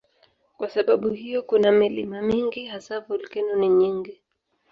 Kwa sababu hiyo kuna milima mingi, hasa volkeno ni nyingi.